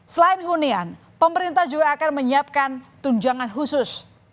selain hunian pemerintah juga akan menyiapkan tunjangan khusus